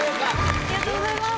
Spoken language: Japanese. ありがとうございます。